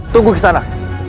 tunggu di sana